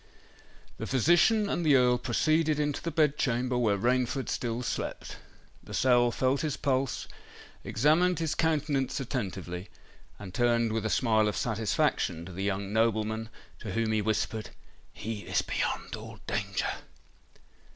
The physician and the Earl proceeded into the bed chamber, where Rainford still slept. Lascelles felt his pulse, examined his countenance attentively, and turned with a smile of satisfaction to the young nobleman, to whom he whispered, "He is beyond all danger."